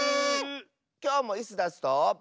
きょうもイスダスと。